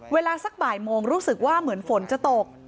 เวลาสักบ่ายโมงรู้สึกว่าเหมือนฝนจะตก